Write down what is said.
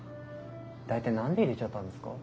大体何で入れちゃったんですか？